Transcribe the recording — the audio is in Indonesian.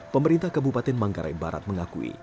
pemerintah kabupaten manggarai barat mengakui